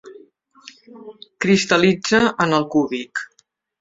Cristal·litza en el cúbic.